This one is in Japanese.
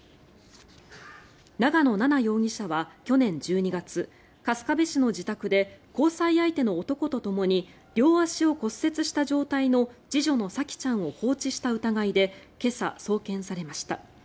長野奈々容疑者は去年１２月春日部市の自宅で交際相手の男とともに両足を骨折した状態の次女の沙季ちゃんを放置した疑いで今朝、送検されました。